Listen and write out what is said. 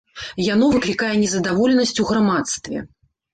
Яно выклікае незадаволенасць у грамадстве.